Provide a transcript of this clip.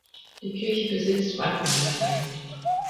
Die Kirche besitzt Wandmalereien.